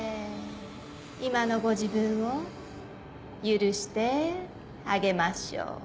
今のご自分を許してあげましょう。